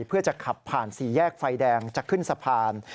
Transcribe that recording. เพื่อจะขับผ่านสี่แยกไฟแดงจะขึ้นสะพาน